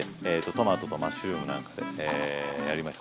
トマトとマッシュルームなんかでやりました。